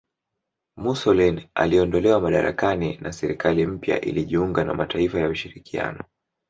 Mussolini aliondolewa madarakani na serikali mpya ilijiunga na mataifa ya ushirikiano